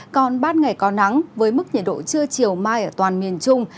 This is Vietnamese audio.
còn bát ngày có nắng với mức nhiệt độ trưa chiều mai ở toàn miền trung